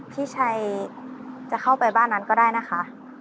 พี่ชัยจะเข้าไปบ้านนั้นก็ได้นะคะ